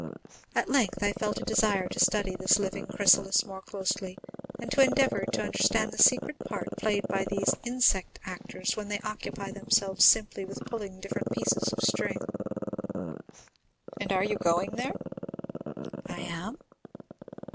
At length I felt a desire to study this living chrysalis more closely, and to endeavor to understand the secret part played by these insect actors when they occupy themselves simply with pulling different pieces of string." 30191m "And are you going there?" "I am."